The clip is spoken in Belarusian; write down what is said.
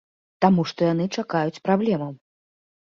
Таму што яны чакаюць праблемаў.